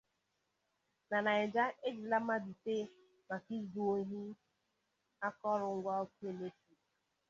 Na Niger, E Jidela Mmadụ Ise Maka Izu Ohi Akụrụngwa Ọkụ Latiriiki